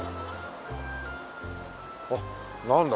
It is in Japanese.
あっなんだ。